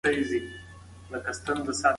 شاه شجاع په دې تړون کي خپله خاوره بایلوده.